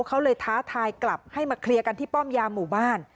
เขาเลยท้าทายกลับให้มาเคลียร์กันที่ป้อมยามหมู่บ้าน